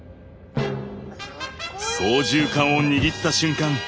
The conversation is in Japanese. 操縦かんを握った瞬間